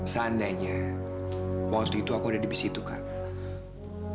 seandainya waktu itu aku ada di bisi itu kak